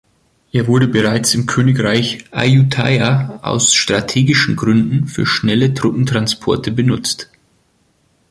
Er wurde bereits im Königreich Ayutthaya aus strategischen Gründen für schnelle Truppentransporte benutzt.